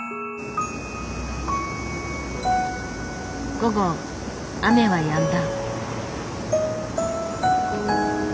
午後雨はやんだ。